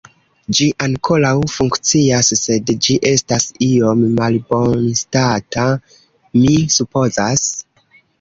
Ĝi ankoraŭ funkcias, sed ĝi estas iom malbonstata, mi supozas.